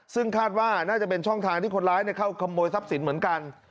ซึ่งคาดว่าน่าจะเป็นช่องทางที่คนร้ายเข้าขโมยทรัพย์สินเหมือนกัน